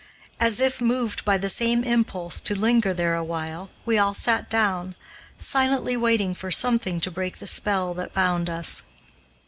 As if moved by the same impulse to linger there a while, we all sat down, silently waiting for something to break the spell that bound us.